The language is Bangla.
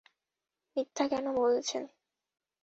মিথ্যা কেন বলছেন!